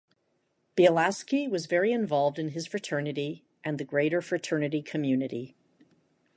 Bielaski was very involved in his fraternity and the greater fraternity community.